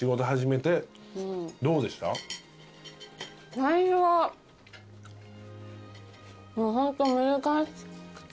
最初はホント難しくて。